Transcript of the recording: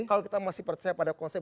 saya masih percaya pada konsep